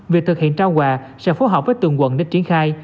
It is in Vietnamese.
việc thực hiện trao quà sẽ phối hợp với tường quận địch triển khai